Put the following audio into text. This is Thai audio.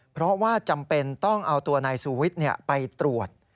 เพราะว่าจำเป็นต้องเอาตัวนายสูวิทย์ไปตรวจ